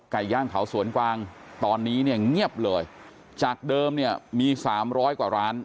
ย่างเขาสวนกวางตอนนี้เนี่ยเงียบเลยจากเดิมเนี่ยมีสามร้อยกว่าร้าน